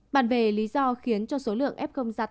bản về lý do khiến cho số lượng f giặt